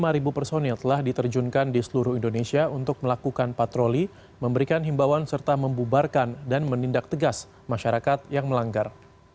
lima personil telah diterjunkan di seluruh indonesia untuk melakukan patroli memberikan himbawan serta membubarkan dan menindak tegas masyarakat yang melanggar